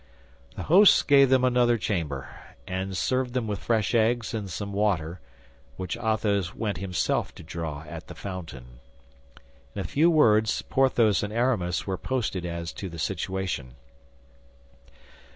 The host gave them another chamber, and served them with fresh eggs and some water, which Athos went himself to draw at the fountain. In a few words, Porthos and Aramis were posted as to the situation.